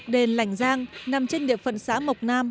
đền lảnh giang nằm trên địa phận xã mộc nam